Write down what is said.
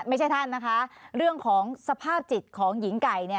ไม่ใช่ท่านนะคะเรื่องของสภาพจิตของหญิงไก่